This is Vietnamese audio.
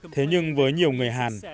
thế nhưng với nhiều người hàn